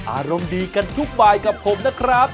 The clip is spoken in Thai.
อารมณ์ดีกันทุกบายกับผมนะครับ